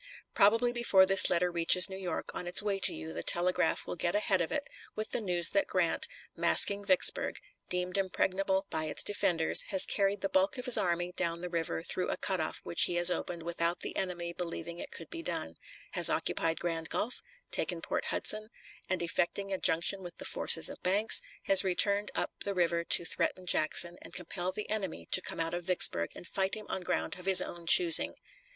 Probably before this letter reaches New York on its way to you the telegraph will get ahead of it with the news that Grant, masking Vicksburg, deemed impregnable by its defenders, has carried the bulk of his army down the river through a cut off which he has opened without the enemy believing it could be done; has occupied Grand Gulf, taken Port Hudson, and, effecting a junction with the forces of Banks, has returned up the river to threaten Jackson and compel the enemy to come out of Vicksburg and fight him on ground of his own choosing.